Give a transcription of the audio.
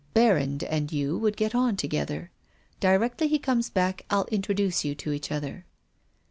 Berrand and you would get on together. Di rectly he comes back Fll introduce you to each other."